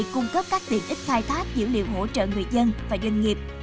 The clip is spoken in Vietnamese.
cung cấp các tiện ích khai thác dữ liệu hỗ trợ người dân và doanh nghiệp